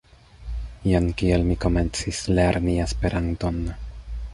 Jen kiel mi komencis lerni Esperanton.